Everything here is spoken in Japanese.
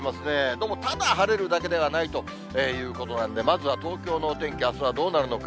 どうもただ晴れるだけではないということなんで、まずは東京のお天気、あすはどうなるのか。